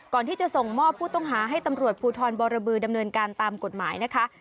ก่อนที่จะส่งมอบผู้ต้องหาให้ตำรวจภูทรบรบือดำเนินการตามกฎหมายนะคะ